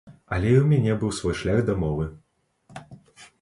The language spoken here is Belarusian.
Але і ў мяне быў свой шлях да мовы.